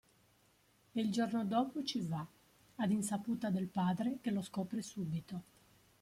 E il giorno dopo ci va, ad insaputa del padre, che lo scopre subito.